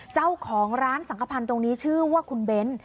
เจ้าของร้านสังขพันธ์ตรงนี้ชื่อว่าคุณเบ้น